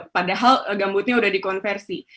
padahal gambutnya sudah dikonversi